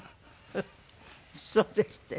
そうですって。